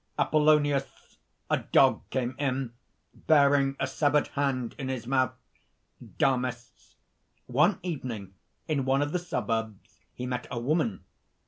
APOLLONIUS. "A dog came in, bearing a severed hand in his mouth." DAMIS. "One evening, in one of the suburbs, he met a woman."